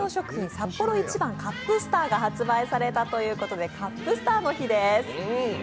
サッポロ一番カップスターが発売されたということでカップスターの日です。